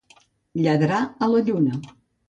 Lladrar a la lluna.